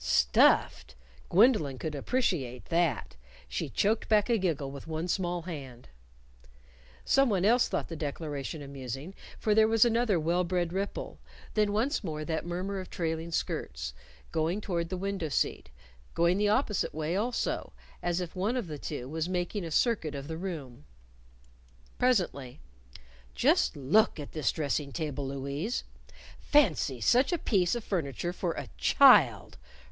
Stuffed! Gwendolyn could appreciate that. She choked back a giggle with one small hand. Someone else thought the declaration amusing, for there was another well bred ripple; then once more that murmur of trailing skirts, going toward the window seat; going the opposite way also, as if one of the two was making a circuit of the room. Presently, "Just look at this dressing table, Louise! Fancy such a piece of furniture for a _child!